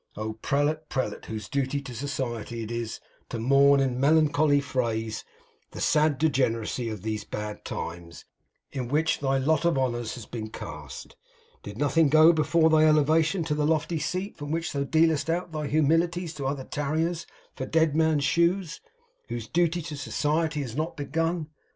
Oh, prelate, prelate, whose duty to society it is to mourn in melancholy phrase the sad degeneracy of these bad times in which thy lot of honours has been cast, did nothing go before thy elevation to the lofty seat, from which thou dealest out thy homilies to other tarriers for dead men's shoes, whose duty to society has not begun!